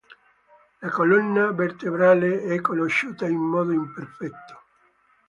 La colonna vertebrale è conosciuta in modo imperfetto.